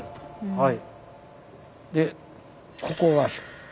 はい。